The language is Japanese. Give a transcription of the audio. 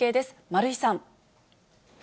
丸井さん。